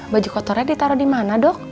baju kotornya ditaro dimana dok